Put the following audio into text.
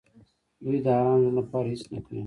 دوی د ارام ژوند لپاره هېڅ نه کوي.